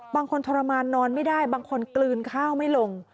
ทรมานนอนไม่ได้บางคนกลืนข้าวไม่ลง